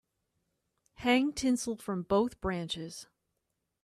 Hang tinsel from both branches.